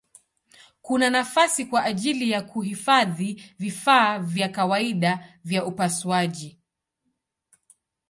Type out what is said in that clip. Kuna nafasi kwa ajili ya kuhifadhi vifaa vya kawaida vya upasuaji.